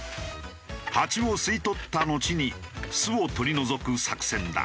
ハチを吸い取ったのちに巣を取り除く作戦だ。